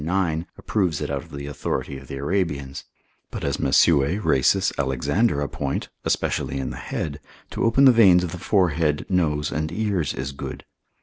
9, approves it out of the authority of the Arabians; but as Mesue, Rhasis, Alexander appoint, especially in the head, to open the veins of the forehead, nose and ears is good.